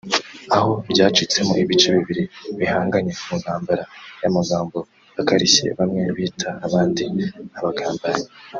aho ryacitsemo ibice bibiri bihanganye mu ntambara y’amagambo akarishye bamwe bita abandi ‘abagambanyi’